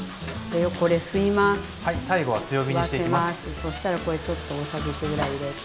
そしたらこれちょっと大さじ１ぐらい入れて。